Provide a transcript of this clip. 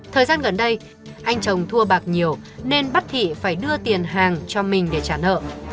thời gian gần đây anh chồng thua bạc nhiều nên bắt thị phải đưa tiền hàng cho mình để trả nợ